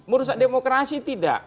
merusak demokrasi tidak